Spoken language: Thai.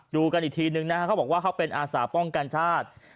ดูกันอีกทีนึงนะคะเค้าบอกว่าเป็นอาสระป้องกันชาติ